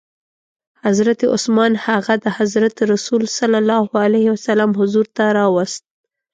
حضرت عثمان هغه د حضرت رسول ص حضور ته راووست.